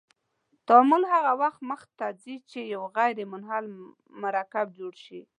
تعامل هغه وخت مخ ته ځي چې یو غیر منحل مرکب جوړ شي.